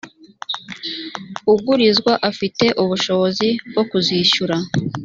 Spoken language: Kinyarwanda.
ugurizwa afite ubushobozi bwo kuzishyura